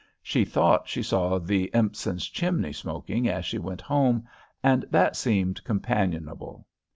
She thought she saw the Empsons' chimney smoking as she went home, and that seemed companionable.